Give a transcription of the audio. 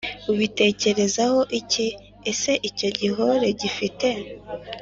Ubitekerezaho iki Ese icyo gihore gifite